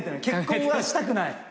結婚はしたくない。